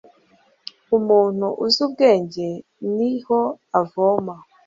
umuntu uzi ubwenge ni ho avoma